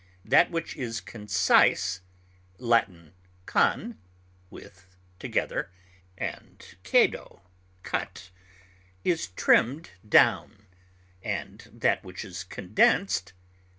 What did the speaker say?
That which is concise (L. _con _, with, together, and cædo, cut) is trimmed down, and that which is condensed (L.